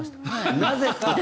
なぜか。